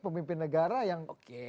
pemimpin negara yang